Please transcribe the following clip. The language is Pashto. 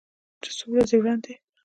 چې څو ورځې وړاندې